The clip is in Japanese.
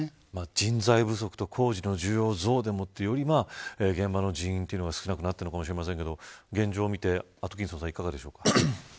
人材不足と工事の需要増でもってより現場の人員が少なくなっているかもしれませんが現状をみて、アトキンソンさんいかがでしょうか。